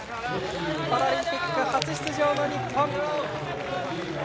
パラリンピック初出場の日本。